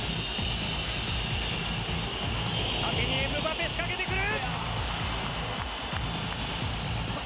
縦にエムバペ仕掛けてくる。